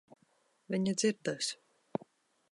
Viņa dzirdēs.